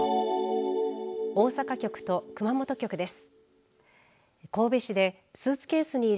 大阪局と熊本局です。